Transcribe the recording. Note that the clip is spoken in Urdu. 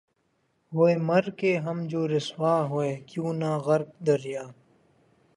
ہوئے مر کے ہم جو رسوا ہوئے کیوں نہ غرق دریا